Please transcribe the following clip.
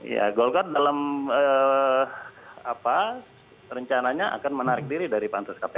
ya golkar dalam rencananya akan menarik diri dari pansus kpk